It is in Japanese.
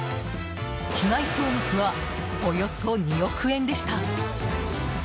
被害総額はおよそ２億円でした。